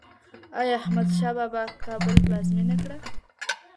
آیا احمدشاه بابا کابل پلازمېنه کړه؟